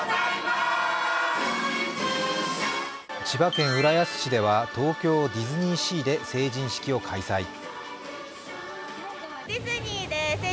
千葉県浦安市では東京ディズニーシーで成人式を開催。